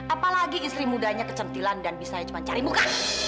apalagi istri mudanya kecentilan dan bisa cuma cari muka